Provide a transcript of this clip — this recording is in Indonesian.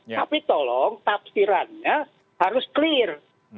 tapi tolong tafsirannya harus clear